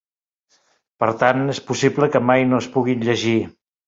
Per tant, és possible que mai no es puguin llegir.